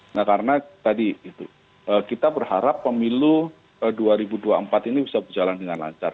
nah karena tadi kita berharap pemilu dua ribu dua puluh empat ini bisa berjalan dengan lancar